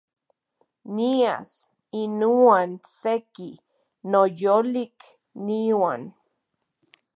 Nias inuan seki noyolikniuan